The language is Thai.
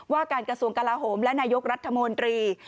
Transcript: ว่าการกระทรวงกลาโหมและนายกรัฐมนตรี